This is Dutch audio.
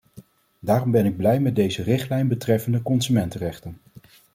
Daarom ben ik blij met deze richtlijn betreffende consumentenrechten.